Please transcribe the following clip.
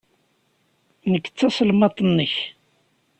Nekk d taselmadt-nnek.